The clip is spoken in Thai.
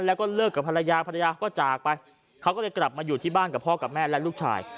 แล้วก็เลิกกับภรรยาภรรยาก็จากไปเขาก็เลยกลับมาอยู่ที่บ้านกับพ่อกับแม่และลูกชาย